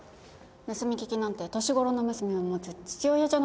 盗み聞きなんて年頃の娘を持つ父親じゃないんだから。